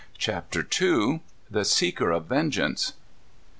CHAPTER II. THE SEEKER OF VENGEANCE.